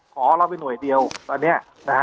ขอเล่าเป็นหน่วยเดียวตอนนี้